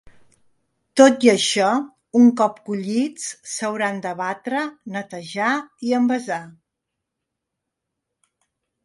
Tot i això, un cop collits, s’hauran de batre, netejar i envasar.